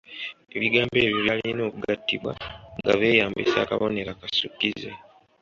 Ebigambo ebyo byalina okugattibwa nga beeyambisa akabonero akasukkize.